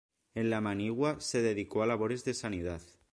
En la manigua se dedicó a labores de sanidad.